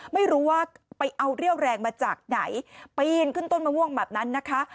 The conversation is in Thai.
ไม่รู้ว่าไปเอาเรี่ยวแรงมาจากไหนปีนขึ้นต้นมะม่วงแบบนั้นนะคะ